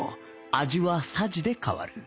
味はさじで変わる